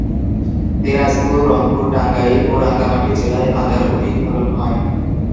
দিনাজপুর, রংপুর, টাঙ্গাইল ও রাঙ্গামাটি জেলায় আদার অধিক ফলন হয়।